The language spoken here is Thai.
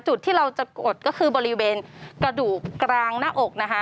จุดที่เราจะกดก็คือบริเวณกระดูกกลางหน้าอกนะคะ